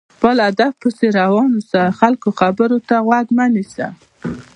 خپل هدف پسې روان اوسه، د خلکو خبرو ته غوږ مه نيسه!